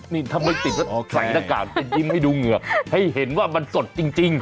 นี่ถ้าไม่ติดก็ใส่หน้ากากกินให้ดูเหงือให้เห็นว่ามันสดจริง